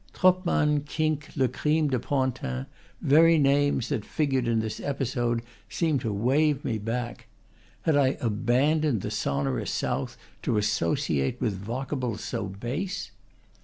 Troppmann, Kink, le crime do Pantin, very names that figured in this episode seemed to wave me back. Had I abandoned the so norous south to associate with vocables so base?